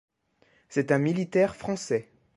C'est un militaire français.